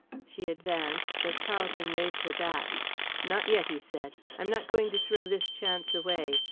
She advanced, but Charlton waved her back. "Not yet," he said. "I am not going to throw this chance away.